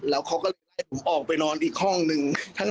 แล้วเขาก็ให้ผมออกไปนอนอีกห้องหนึ่ง